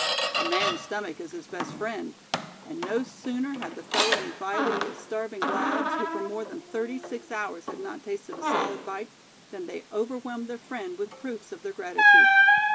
"A man's stomach is his best friend", and no sooner had the fellow invited the starving lads, who for more than thirly six hours had not tasted a solid bite, than they overwhelmed their friend with proofs of their gratitude.